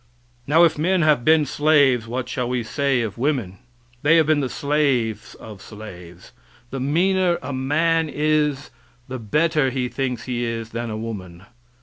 Now if men have been slaves what shall we say of women? They have been the slaves of slaves. The meaner a man is, the better he thinks he is than a woman.